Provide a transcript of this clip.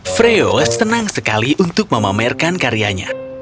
freo senang sekali untuk memamerkan karyanya